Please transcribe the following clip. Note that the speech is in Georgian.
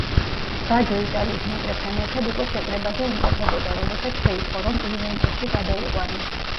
ბაჯო იტალიის ნაკრებთან ერთად უკვე შეკრებაზე იმყოფებოდა, როდესაც შეიტყო, რომ იუვენტუსში გადაიყვანეს.